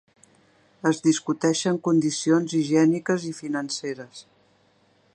Es discuteixen condicions higièniques i financeres.